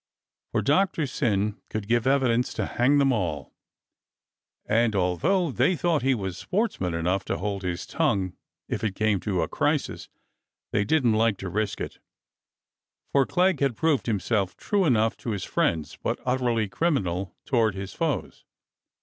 For Doctor Syn could give evidence to hang them all, 288 THE DEAD MAN'S THROTTLE 289 and although they thought that he was sportsman enough to hold his tongue if it came to a crisis, they didn't like to risk it; for Clegg had proved himself true enough to his friends but utterly criminal toward his foes.